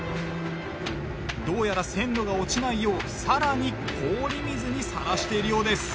どうやら鮮度が落ちないようさらに氷水にさらしているようです。